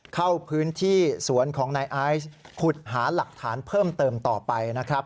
เข้าพื้นที่สวนของนายไอซ์ขุดหาหลักฐานเพิ่มเติมต่อไปนะครับ